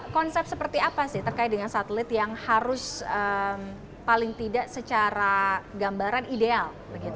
konsep seperti apa sih terkait dengan satelit yang harus paling tidak secara gambaran ideal